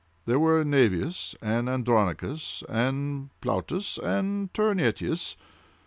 there were Naevius, and Andronicus, and Plautus, and Terentius.